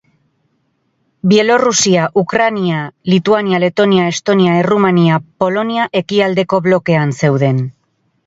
Bielorrusia, Ukraina, Lituania, Letonia, Estonia, Errumania, Polonia ekialdeko blokean zeuden.